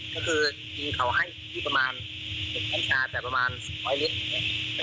ก็คือกินเขาให้ประมาณ๑แต่บทแบบประมาณ๖๐ลิตร